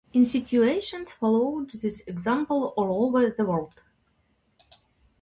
Institutions followed this example all over the world.